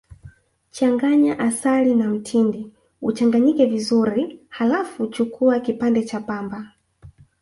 Changanya asali na mtindi uchanganyike vizuri Halafu chukua kipande cha pamba